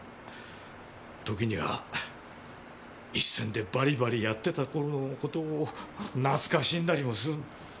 時には一線でバリバリやってた頃の事を懐かしんだりもする！